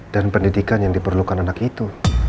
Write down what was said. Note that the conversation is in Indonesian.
dan pendidikan yang diperlukan anak itu